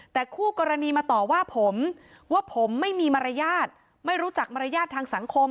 แต่คู่กรณีมาต่อว่าผมว่าผมไม่มีมารยาทไม่รู้จักมารยาททางสังคม